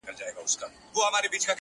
د ده سترګي سولې خلاصې ژوند یې سم سو!.